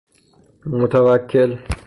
متوکل